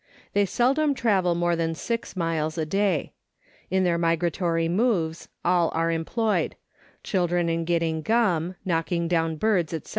They seldom travel more than six miles a day. In their migratory moves all are employed ; children in getting gum, knocking down birds, &c.